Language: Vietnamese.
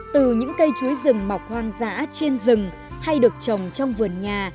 từ những cây chuối rừng mọc hoang dã trên rừng hay được trồng trong vườn nhà